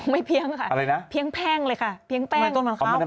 ไม่เปลี่ยงค่ะเปลี่ยงแป้งเลยคะ